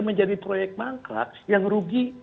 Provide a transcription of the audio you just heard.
menjadi proyek mangkrak yang rugi